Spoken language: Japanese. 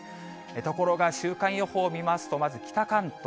ところが週間予報見ますと、まず北関東。